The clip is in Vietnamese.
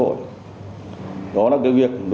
đó là việc đối tượng vận chuyển trái phép chứa ma túy này